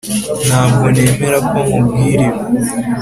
ntabwo nemera ko nkubwira ibi